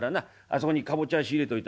そこにかぼちゃ仕入れといた。